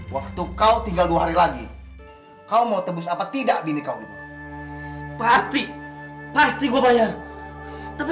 waktu kau tinggal dua hari lagi kau mau tebus apa tidak binikau ini pasti pasti gue bayar tapi